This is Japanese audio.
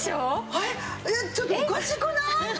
えっちょっとおかしくない？